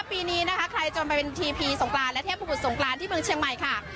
ปีนี้นะคะใครจนไปเป็นทีพีสงกรานและเทพบุตรสงกรานที่เมืองเชียงใหม่ค่ะ